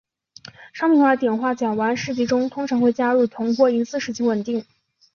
商品化的碘甲烷试剂中通常会加入铜或银丝使其稳定。